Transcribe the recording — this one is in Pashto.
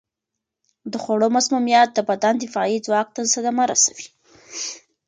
د خوړو مسمومیت د بدن دفاعي ځواک ته صدمه رسوي.